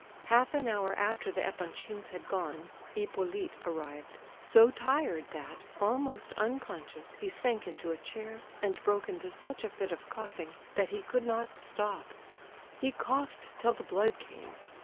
Half an hour after the Epanchins had gone, Hippolyte arrived, so tired that, almost unconscious, he sank into a chair, and broke into such a fit of coughing that he could not stop. He coughed till the blood came.